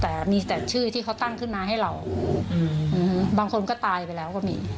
แต่มีแต่ชื่อที่เขาตั้งขึ้นมาให้เราบางคนก็ตายไปแล้วก็มี